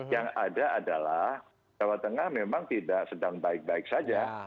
yang ada adalah jawa tengah memang tidak sedang baik baik saja